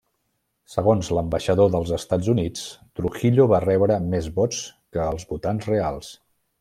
Segons l'ambaixador dels Estats Units, Trujillo va rebre més vots que els votants reals.